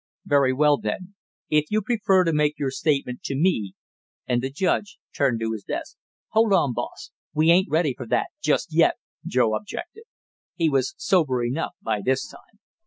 "Very well, then, if you prefer to make your statement to me," and the judge turned to his desk. "Hold on, boss, we ain't ready for that just yet!" Joe objected. He was sober enough, by this time.